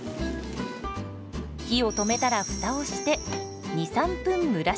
火を止めたらフタをして２３分蒸らします。